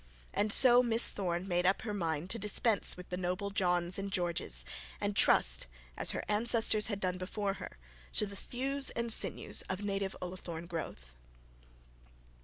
And so Miss Thorne made up her mind to dispense with the noble Johns and Georges, and trust, as her ancestors had done before her, to the thews and sinews of native Ullathorne growth.